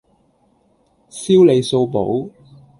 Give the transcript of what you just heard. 燒你數簿